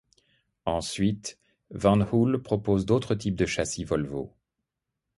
Ensuite, Van Hool propose d'autres types de châssis Volvo.